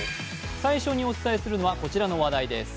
最初にお伝えするのはこちらの話題です。